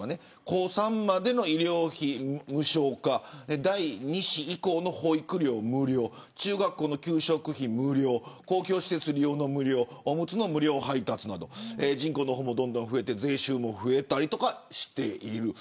高３までの医療費無償化第２子以降の保育料無料中学校の給食費無料公共施設利用の無料おむつの無料配達など人口の方もどんどん増えて税収も増えたりとかしている。